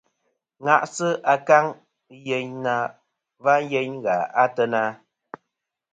Ŋa'sɨ akaŋ yeyn na va yeyn gha a teyna.